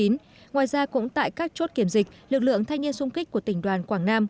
ngoài ra cũng tại các chốt kiểm dịch lực lượng thanh niên sung kích của tỉnh đoàn quảng nam